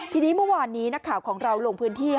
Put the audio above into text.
ทีนี้เมื่อวานนี้นักข่าวของเราลงพื้นที่